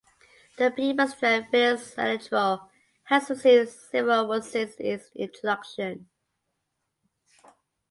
The Pipistrel Velis Electro has received several awards since its introduction.